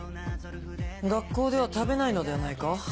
学校では食べないのではないか？